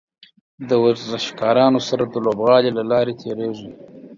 د ورزشکارانو سره د لوبغالي له لارې تیریږي.